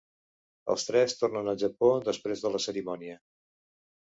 Els tres tornen al Japó després de la cerimònia.